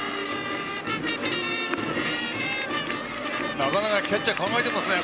なかなかキャッチャー考えていますね。